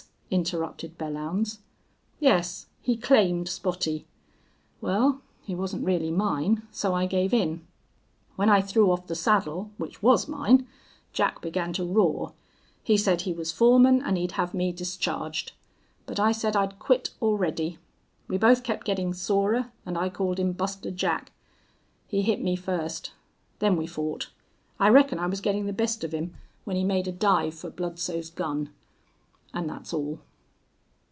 interrupted Belllounds. "Yes. He claimed Spottie. Well, he wasn't really mine, so I gave in. When I threw off the saddle, which was mine, Jack began to roar. He said he was foreman and he'd have me discharged. But I said I'd quit already. We both kept getting sorer and I called him Buster Jack.... He hit me first. Then we fought. I reckon I was getting the best of him when he made a dive for Bludsoe's gun. And that's all."